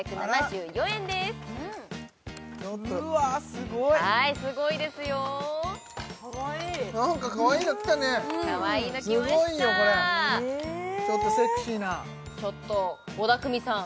すごいはいすごいですよかわいいなんかかわいいの来たねかわいいの来ましたすごいよこれちょっとセクシーな倖田來未さん